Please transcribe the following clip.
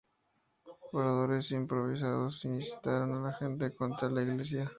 Oradores improvisados incitaron a la gente en contra de la Iglesia.